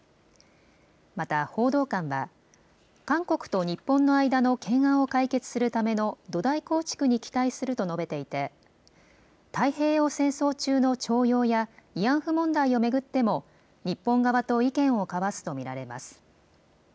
また報道官は韓国と日本の間の懸案を解決するための土台構築に期待すると述べていて太平洋戦争中の徴用や慰安婦問題を巡っても日本側と意見を交わすと見られます。